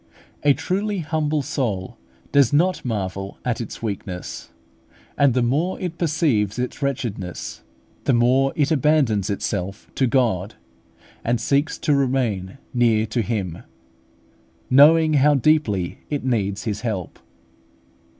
A truly humble soul does not marvel at its weakness, and the more it perceives its wretchedness, the more it abandons itself to God, and seeks to remain near to Him, knowing how deeply it needs His help.